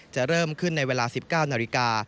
จะเริ่มขึ้นในเวลา๑๙นาฬิกา